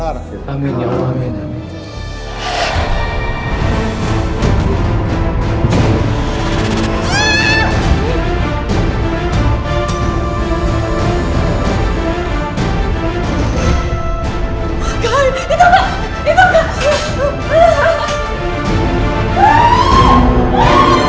amin ya allah